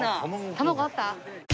卵あった？